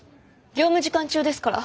業務時間中ですから。